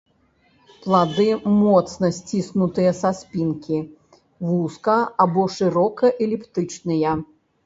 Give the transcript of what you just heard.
Плады моцна сціснутыя са спінкі, вузка або шырока эліптычныя.